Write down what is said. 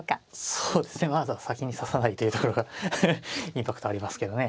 そうですねまずは先に指さないっていうところがインパクトありますけどね。